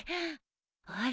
あれ？